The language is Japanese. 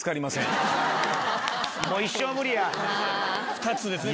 ２つですね。